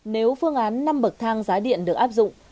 nếu phương án năm bậc thang giá điện được áp dụng